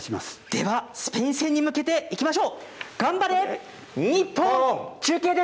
では、スペイン戦に向けていきましょう。